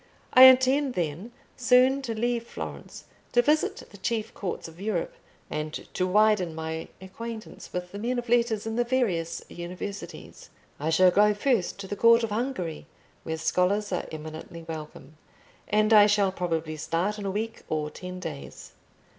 "I intend, then, soon to leave Florence, to visit the chief courts of Europe, and to widen my acquaintance with the men of letters in the various universities. I shall go first to the court of Hungary, where scholars are eminently welcome; and I shall probably start in a week or ten days.